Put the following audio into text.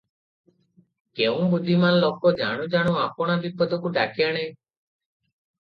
କେଉଁ ବୁଦ୍ଧିମାନ ଲୋକ ଜାଣୁ ଜାଣୁ ଆପଣା ବିପଦକୁ ଡାକିଆଣେ?